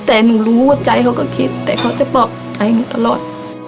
แต่หนูรู้ว่าใจเขาก็คิดแต่เขาจะบอกใจอย่างงี้ตลอด